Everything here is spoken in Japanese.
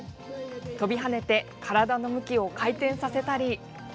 跳びはねて体の向きを回転させたり。